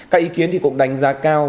các ý kiến thì cũng đánh giá cao